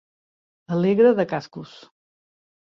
Alegre de cascos.